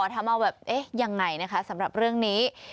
ทำเอาแบบเอ๊ะยังไงนะคะสำหรับเรื่องนี้